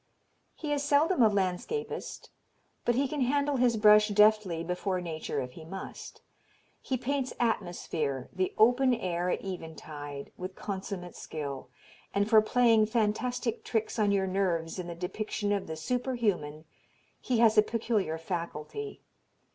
He is seldom a landscapist, but he can handle his brush deftly before nature if he must. He paints atmosphere, the open air at eventide, with consummate skill, and for playing fantastic tricks on your nerves in the depiction of the superhuman he has a peculiar faculty.